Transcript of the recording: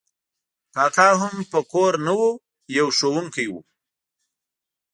کاکا هم په کور نه و، یو ښوونکی و.